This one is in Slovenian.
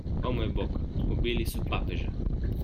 O moj bog, ubili so papeža!